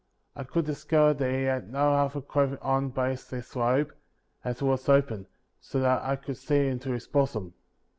I could discover that he had no other clothing on but this robe, as it was open, so that I could see into his bosom.